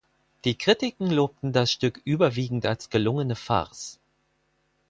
Die Kritiken lobten das Stück überwiegend als gelungene Farce.